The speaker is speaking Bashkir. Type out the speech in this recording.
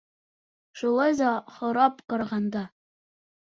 Шулай ҙа һорап ҡарағанда?